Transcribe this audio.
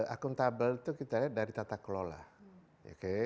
accountable itu kita lihat dari tata kelola oke